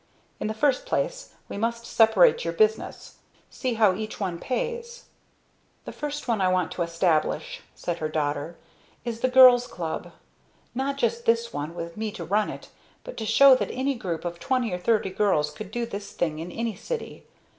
In the first place we must separate your business, see how much each one pays." "The first one I want to establish," said her daughter, "is the girl's club. Not just this one, with me to run it. But to show that any group of twenty or thirty girls could do this thing in any city.